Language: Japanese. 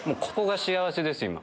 ここが幸せです